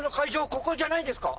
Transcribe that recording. ここじゃないんですか？